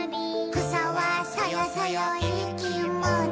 「くさはそよそよいいきもち」